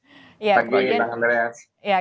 selamat pagi bang andreas